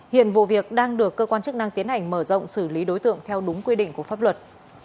hiện vụ việc đang được cơ quan chức năng tiến hành mở rộng xử lý đối tượng theo đúng quy định của pháp luật